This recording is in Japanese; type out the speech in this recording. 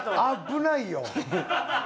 危ないよ！